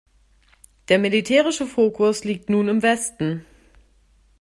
Der militärische Fokus liegt nun im Westen.